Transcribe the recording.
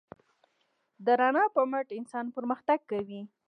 د رڼا په مټ انسان پرمختګ کوي.